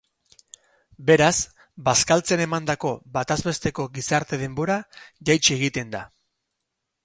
Beraz, bazkaltzen emandako batez besteko gizarte-denbora jaitsi egiten da.